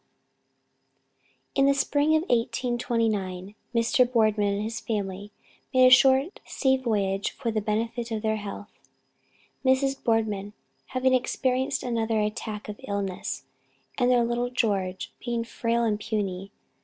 B. In the spring of 1829 Mr. Boardman and his family made a short sea voyage for the benefit of their health, Mrs. Boardman having experienced another attack of illness, and their little George being frail and puny.